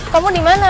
kau mau di mana